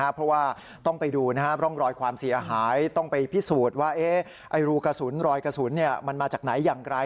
เพราะว่าต้องไปดูร่องรอยความเสียหายต้องไปพิสูจน์ว่ารูกระสุนรอยกระสุนมันมาจากไหนอย่างไร